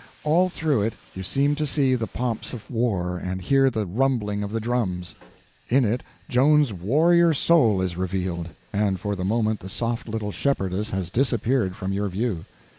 All through it you seem to see the pomps of war and hear the rumbling of the drums. In it Joan's warrior soul is revealed, and for the moment the soft little shepherdess has disappeared from your view.